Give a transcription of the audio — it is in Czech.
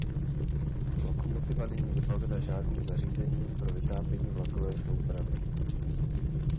Lokomotiva není vybavena žádným zařízením pro vytápění vlakové soupravy.